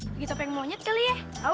begitau pengen monyet kali ya